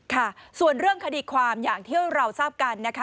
ค่ะส่วนเรื่องคดีความอย่างที่เราทราบกันนะคะ